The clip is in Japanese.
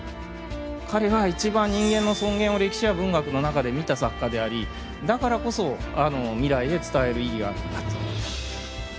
彼が一番人間の尊厳を歴史や文学の中で見た作家でありだからこそ未来へ伝える意義があるんだと。